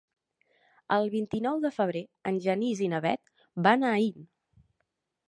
El vint-i-nou de febrer en Genís i na Bet van a Aín.